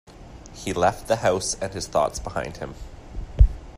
He left the house and his thoughts behind him.